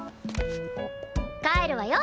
帰るわよ